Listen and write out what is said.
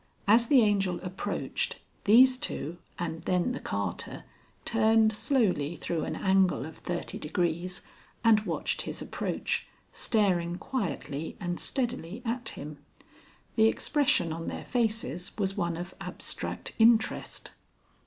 As the Angel approached these two and then the carter turned slowly through an angle of thirty degrees and watched his approach, staring quietly and steadily at him. The expression on their faces was one of abstract interest.